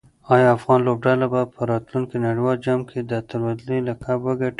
آیا افغان لوبډله به په راتلونکي نړیوال جام کې د اتلولۍ لقب وګټي؟